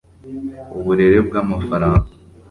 uburere bw'amafaranga